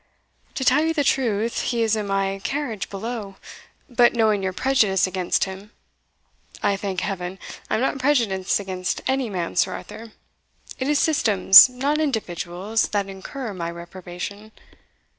"To tell you the truth, he is in my carriage below; but knowing your prejudice against him" "I thank Heaven, I am not prejudiced against any man, Sir Arthur: it is systems, not individuals, that incur my reprobation."